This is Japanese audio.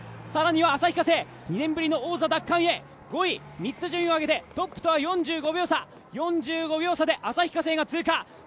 更には旭化成、２年ぶりの王座奪還へ、５位、３つ順位を上げてトップとは４５秒差で旭化成が通過。